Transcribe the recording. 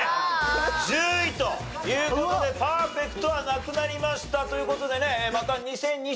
１０位という事でパーフェクトはなくなりましたという事でね。